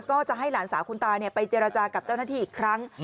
ก็จะให้หลานสาวคุณตาไปเจรจากับเจ้าหน้าที่อีกครั้ง